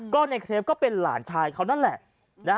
นายเคลฟก็เป็นหลานชายเขานั่นแหล่ะ